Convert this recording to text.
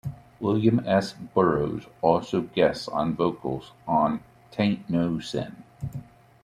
William S. Burroughs also guests on vocals on "'Tain't No Sin".